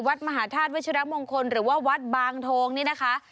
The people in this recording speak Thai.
วัดมหาธาตุวัชิรมงคลหรือว่าวัดบางโทงนี่นะคะ